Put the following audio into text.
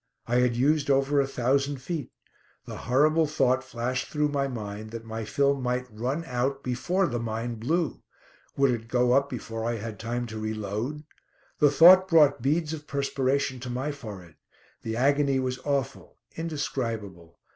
I had used over a thousand feet. The horrible thought flashed through my mind, that my film might run out before the mine blew. Would it go up before I had time to reload? The thought brought beads of perspiration to my forehead. The agony was awful; indescribable.